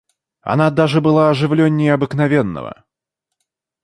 Она даже была оживленнее обыкновенного.